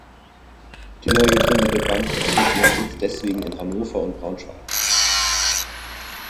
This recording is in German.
Die neu gegründete Bank bezog ihren Sitz deswegen in Hannover und Braunschweig.